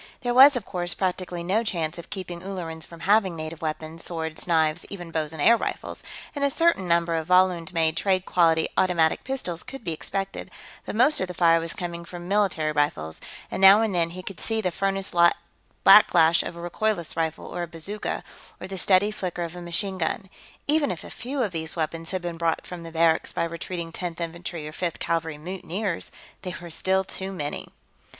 There was, of course, practically no chance of keeping Ullerans from having native weapons, swords, knives, even bows and air rifles, and a certain number of Volund made trade quality automatic pistols could be expected, but most of the fire was coming from military rifles, and now and then he could see the furnace like backflash of a recoilless rifle or a bazooka, or the steady flicker of a machine gun. Even if a few of these weapons had been brought from the barracks by retreating Tenth Infantry or Fifth Cavalry mutineers, there were still too many.